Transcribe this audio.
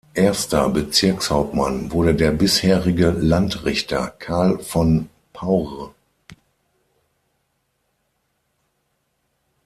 Erster Bezirkshauptmann wurde der bisherige Landrichter Carl von Paur.